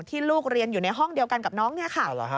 ลูกเรียนอยู่ในห้องเดียวกันกับน้องเนี่ยค่ะ